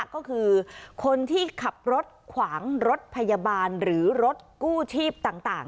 ก็คือคนที่ขับรถขวางรถพยาบาลหรือรถกู้ชีพต่าง